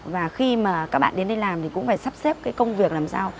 và khi mà các bạn đến đây làm thì cũng phải sắp xếp cái công việc làm sao